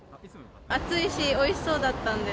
暑いしおいしそうだったんで。